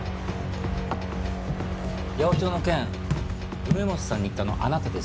八百長の件梅本さんに言ったのあなたですね？